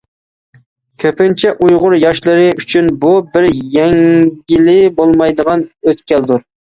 كۆپىنچە ئۇيغۇر ياشلىرى ئۈچۈن بۇ بىر يەڭگىلى بولمايدىغان ئۆتكەلدۇر.